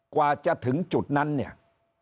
กว่าจะถึงจุดนั้นเนี่ย